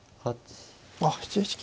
あっ７七金。